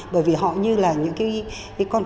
bởi vì họ như là những cái